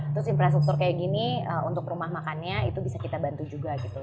terus infrastruktur kayak gini untuk rumah makannya itu bisa kita bantu juga gitu